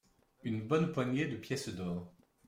Une bonne poignée de pièces d’or.